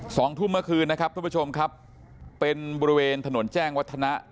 สองทุ่มเมื่อคืนนะครับทุกผู้ชมครับเป็นบริเวณถนนแจ้งวัฒนะ